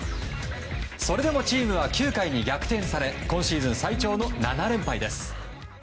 それでもチームは９回に逆転され今シーズン最長の７連敗です。